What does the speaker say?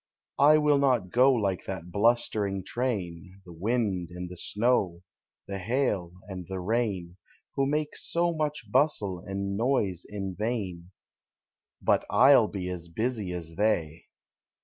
I will not go like that blustering train, The wind and the snow, the hail and the rain, Who make so much bustle and noise in vain, Hut 1 '11 be as busy as they!